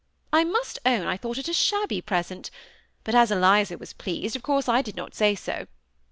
I must own I thought it a shabby present ; but as Eliza was pleased, of course I did not say so.